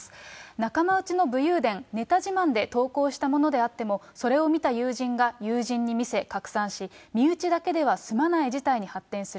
仲間内の武勇伝、ネタ自慢で投稿したものであっても、それを見た友人が友人に見せ、拡散し、身内だけでは済まない事態に発展する。